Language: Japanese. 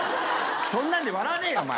そんなんで笑わねえよお前。